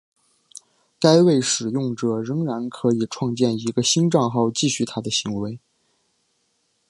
该位使用者仍然可以创建一个新帐号继续他的行为。